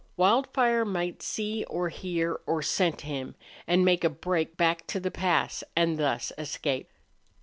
Wildfire might see or hear or scent him, and make a break back to the pass and thus escape.